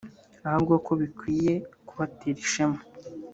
ahubwo ko bikwiye kubatera ishema